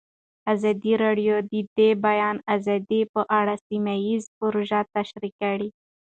ازادي راډیو د د بیان آزادي په اړه سیمه ییزې پروژې تشریح کړې.